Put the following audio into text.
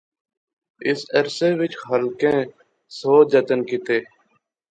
اس عرصے وچ خالقیں سو جتن کیتے